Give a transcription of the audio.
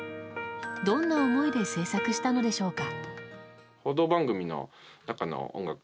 どんな思いで制作したのでしょうか。